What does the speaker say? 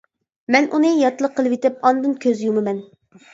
مەن ئۇنى ياتلىق قىلىۋېتىپ ئاندىن كۆز يۇمىمەن.